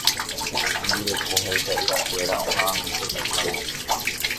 Hembireko ha itaʼyrakuéra ohaʼãróntema imano.